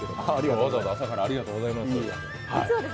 わざわざ朝からありがとうございます。